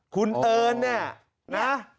คุณเอิญเนี่ยนะ